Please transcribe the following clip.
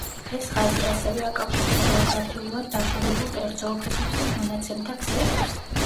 ეს ხაზი ასევე აკავშირებს გეოგრაფიულად დაშორებულ კერძო ოფისებს და მონაცემთა ქსელებს.